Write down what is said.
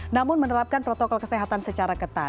namun menerapkan protokol kesehatan secara ketat